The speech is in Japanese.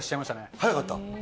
速かった？